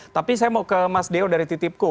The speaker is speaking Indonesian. tapi saya mau ke mas deo dari titipku